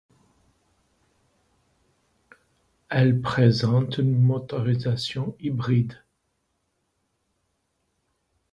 Elle présente une motorisation hybride.